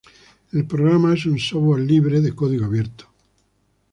El programa es un software libre, de código abierto.